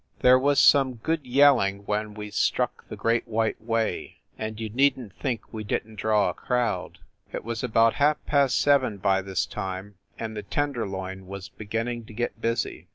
There was some good yelling when we struck the Great White Way, and you needn t think we didn t draw a crowd ! It was about half past seven by this time and the Tenderloin was beginning to get busy.